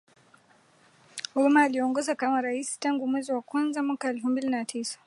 Obama aliongoza kama raisi tangu mwezi wa kwanza mwaka elfu mbili na tisa